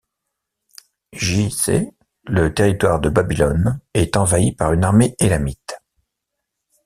J-C, le territoire de Babylone est envahi par une armée élamite.